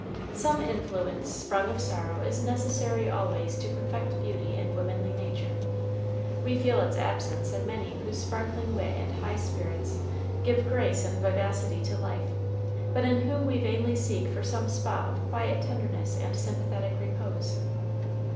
Some influence sprung of sorrow is necessary always to perfect beauty in womanly nature. We feel its absence in many whose sparkling wit and high spirits give grace and vivacity to life, but in whom we vainly seek for some spot of quiet tenderness and sympathetic repose.